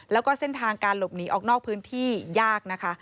แล้วก็เส้นทางการหลบหนีออกนอกพื้นที่ยากนะคะ